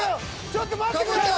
ちょっと待ってくれよ！